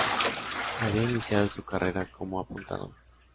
Había iniciado su carrera como apuntador.